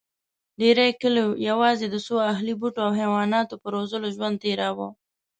ډېرې کلیوې یواځې د څو اهلي بوټو او حیواناتو په روزلو ژوند تېراوه.